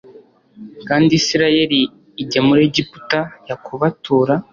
kandi isirayeli ajya muri egiputa yakobo atura